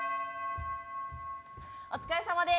お疲れさまです。